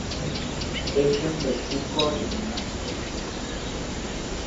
Es un bejuco leñosos.